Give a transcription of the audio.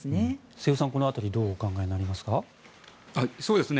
瀬尾さん、この辺りどうお考えになりますか。